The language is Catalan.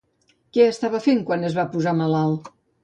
Què estava fent quan es va posar malalt?